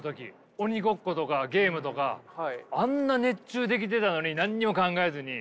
鬼ごっことかゲームとかあんな熱中できてたのに何にも考えずに。